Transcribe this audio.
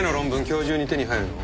今日中に手に入るの？